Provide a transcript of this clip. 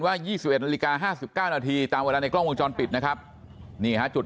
๒๑นาฬิกา๕๙นาทีตามเวลาในกล้องวงจรปิดนะครับนี่ฮะจุด